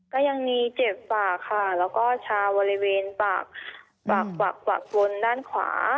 ก็ยังมีเจ็บปากค่ะแล้วก็ชาบริเวณปากบนด้านขวา